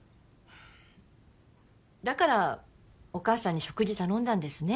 だからお母さんに食事頼んだんですね。